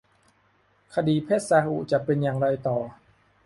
คดีเพชรซาอุจะเป็นอย่างไรต่อ